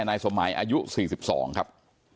พันให้หมดตั้ง๓คนเลยพันให้หมดตั้ง๓คนเลย